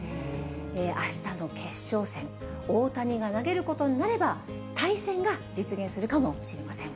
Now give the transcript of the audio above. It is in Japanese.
あしたの決勝戦、大谷が投げることになれば、対戦が実現するかもしれません。